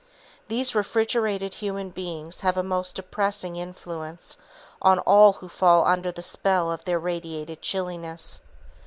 These refrigerated human beings have a most depressing influence on all those who fall under the spell of their radiated chilliness.